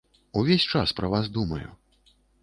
Увесь час пра вас думаю.